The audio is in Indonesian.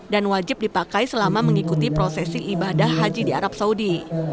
dan wajib dipakai selama mengikuti prosesi ibadah haji di arab saudi